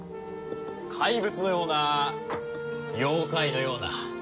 怪物のような妖怪のような。